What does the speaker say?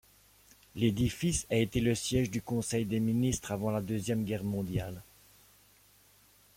L'édifice a été le siège du Conseil des Ministres avant la deuxième guerre mondiale.